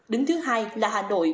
đứng thứ hai là hà nội